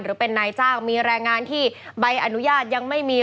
หรือเป็นนายจ้างมีแรงงานที่ใบอนุญาตยังไม่มี